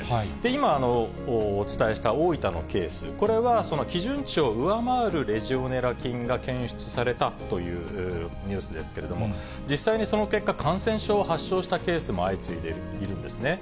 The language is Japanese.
今、お伝えした大分のケース、これは基準値を上回るレジオネラ菌が検出されたというニュースですけれども、実際にその結果、感染症を発症したケースも相次いでいるんですね。